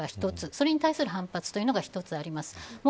それに対する反発というのが１つあります。